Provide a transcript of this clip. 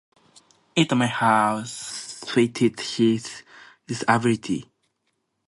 It may have suited his disability.